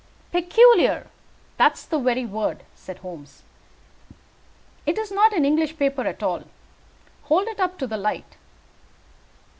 "Peculiar that is the very word," said Holmes. "It is not an English paper at all. Hold it up to the light."